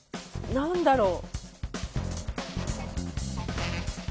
何だろう。